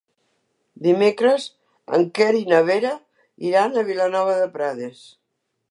Dimecres en Quer i na Vera iran a Vilanova de Prades.